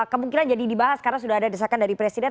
kemungkinan jadi dibahas karena sudah ada desakan dari presiden